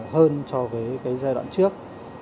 hơn cho với cái giai đoạn trước